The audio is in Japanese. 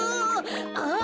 あっ！